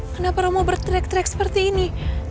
kenapa romo bertrek trek seperti ini